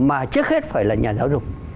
mà trước hết phải là nhà giáo dục